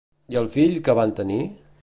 I el fill que van tenir?